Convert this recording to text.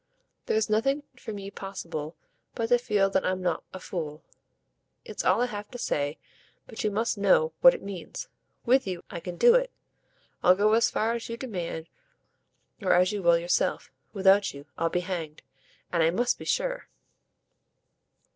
"There's nothing for me possible but to feel that I'm not a fool. It's all I have to say, but you must know what it means. WITH you I can do it I'll go as far as you demand or as you will yourself. Without you I'll be hanged! And I must be sure."